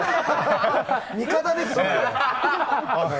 味方ですよ。